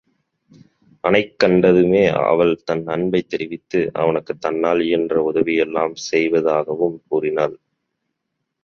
அனைக் கண்டதுமே அவள் தன் அன்பைத் தெரிவித்து, அவனுக்குத் தன்னால் இயன்ற உதவியெல்லாம் செய்வதாகாகவும் கூறினாள்.